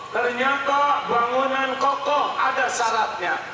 ternyata bangunan kokoh ada syaratnya